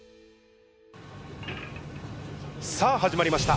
さあ始まりました。